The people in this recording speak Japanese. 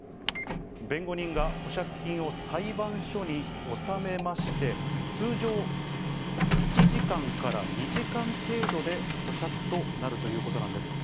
弁護人が保釈金を裁判所に納めまして、通常、１時間から２時間程度で保釈となるということなんです。